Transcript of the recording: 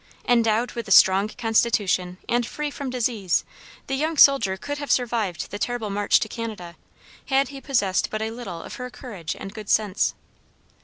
Endowed with a strong constitution, and free from disease, the young soldier could have survived the terrible march to Canada, had he possessed but a little of her courage and good sense.